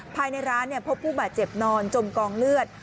ภายในร้านพบผู้บาดเจ็บนอนจมกองเลือด